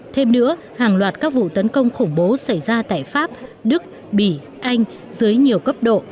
thêm nữa hàng loạt các vụ tấn công khủng bố xảy ra tại pháp đức bỉ anh dưới nhiều cấp độ